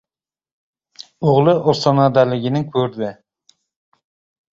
O‘g‘li ostonadaligini ko‘rdi.